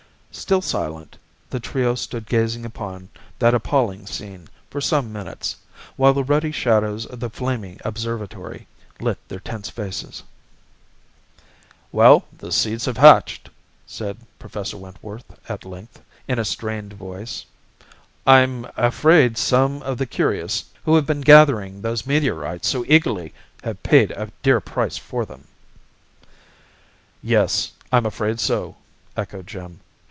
Still silent, the trio stood gazing upon that appalling scene for some minutes, while the ruddy shadows of the flaming observatory lit their tense faces. "Well, the seeds have hatched," said Professor Wentworth at length, in a strained voice. "I am afraid some of the curious who have been gathering those meteorites so eagerly have paid a dear price for them." "Yes, I'm afraid so," echoed Jim.